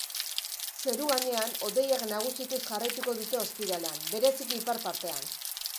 Zeru-gainean hodeiak nagusituz jarraituko dute ostiralean, bereziki ipar partean.